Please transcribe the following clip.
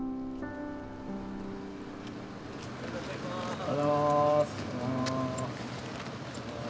おはようございます。